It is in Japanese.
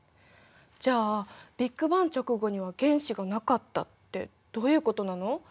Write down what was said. じゃあ「ビッグバン直後には原子がなかった」ってどういうことなの？